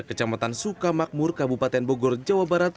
kecamatan sukamakmur kabupaten bogor jawa barat